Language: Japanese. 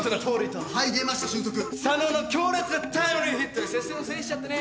佐野の強烈なタイムリーヒットで接戦を制しちゃってね